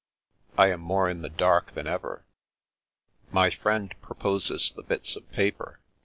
" I am more in the dark than ever." " My friend proposes the bits of paper.